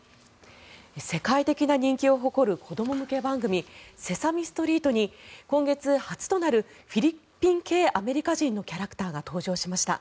世界的な人気を誇る子ども向け番組「セサミストリート」に今月、初となるフィリピン系アメリカ人のキャラクターが登場しました。